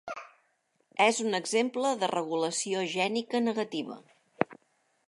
És un exemple de regulació gènica negativa.